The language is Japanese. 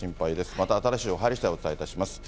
また新しい情報入りしだい、お伝えいたします。